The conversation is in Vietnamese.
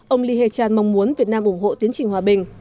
ông lee hae chan mong muốn việt nam ủng hộ tiến trình hòa bình